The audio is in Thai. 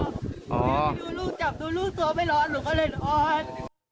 ชิคกี้พายดูทำได้จำดูลูกตัวไม่ร้อนหนูก็เลยนอน